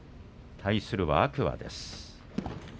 対するは天空海です。